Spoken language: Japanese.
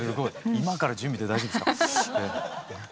今から準備って大丈夫ですか？